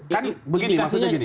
kan begini maksudnya gini